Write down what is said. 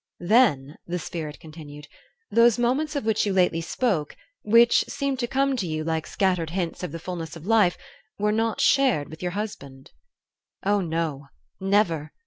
'" "Then," the Spirit continued, "those moments of which you lately spoke, which seemed to come to you like scattered hints of the fulness of life, were not shared with your husband?" "Oh, no never.